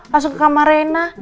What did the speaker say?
langsung ke kamar rena